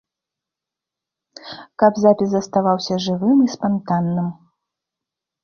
Каб запіс заставаўся жывым і спантанным.